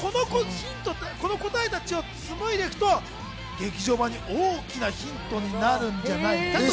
この答えを紡いでいくと劇場版に大きなヒントになるんじゃないかと。